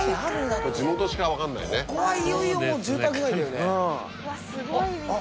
ここはいよいよ住宅街だよね。